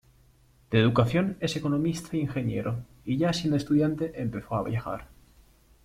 De educación es economista e ingeniero y ya siendo estudiante empezó a viajar.